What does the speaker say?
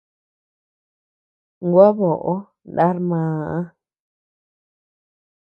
Gua boʼö nar maa.